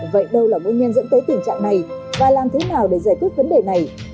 vậy đâu là nguyên nhân dẫn tới tình trạng này và làm thế nào để giải quyết vấn đề này